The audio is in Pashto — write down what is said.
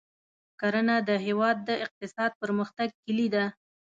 کرنه د هېواد د اقتصادي پرمختګ کلي ده.